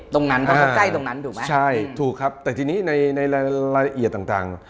ตรงนั้นเขาก็ใกล้ตรงนั้นถูกไหมใช่ถูกครับแต่ทีนี้ในในรายละเอียดต่างต่าง